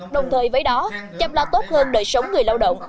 đồng thời với đó chăm lo tốt hơn đời sống người lao động